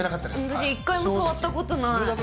私、一回も触ったことない。